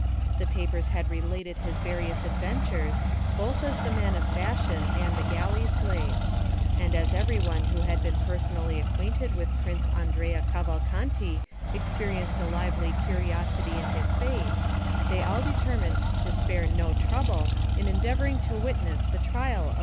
The papers had related his various adventures, both as the man of fashion and the galley slave; and as everyone who had been personally acquainted with Prince Andrea Cavalcanti experienced a lively curiosity in his fate, they all determined to spare no trouble in endeavoring to witness the trial of M.